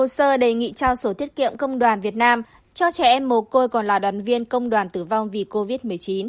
hồ sơ đề nghị trao sổ tiết kiệm công đoàn việt nam cho trẻ em mồ côi còn là đoàn viên công đoàn tử vong vì covid một mươi chín